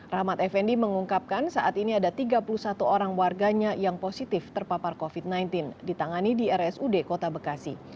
rahmat effendi mengungkapkan saat ini ada tiga puluh satu orang warganya yang positif terpapar covid sembilan belas ditangani di rsud kota bekasi